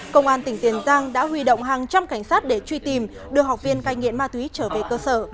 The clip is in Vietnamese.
công an tỉnh tiền giang đã huy động hàng trăm cảnh sát để truy tìm đưa học viên cai nghiện ma túy trở về cơ sở